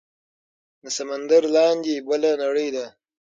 د سمندر لاندې بله نړۍ ده